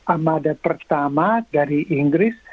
armada pertama dari inggris